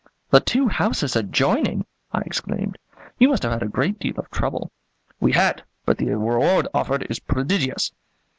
"The two houses adjoining!" I exclaimed; "you must have had a great deal of trouble." "We had; but the reward offered is prodigious."